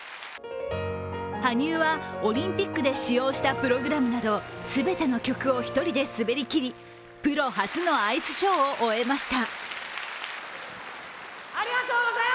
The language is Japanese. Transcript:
羽生はオリンピックで使用したプログラムなど全ての曲を１人で滑りきりプロ初のアイスショーを終えました。